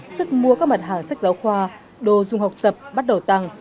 sức mua các mặt hàng sách giáo khoa đồ dùng học tập bắt đầu tăng